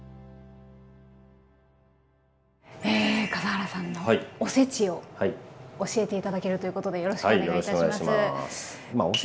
え笠原さんのおせちを教えて頂けるということでよろしくお願いいたします。